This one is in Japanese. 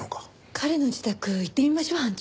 彼の自宅行ってみましょう班長。